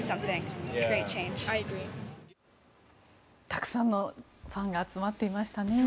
たくさんのファンが集まっていましたね。